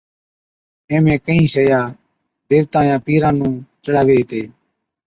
ايمھين ڪهِين شئِيا ديوتان يا پِيران نُون چڙھاوي ھِتي